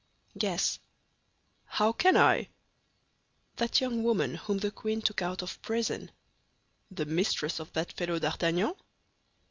"Guess." "How can I?" "That young woman whom the queen took out of prison." "The mistress of that fellow D'Artagnan?"